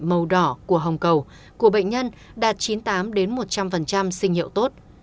màu đỏ của hồng cầu của bệnh nhân đạt chín mươi tám một trăm linh sinh hiệu tốt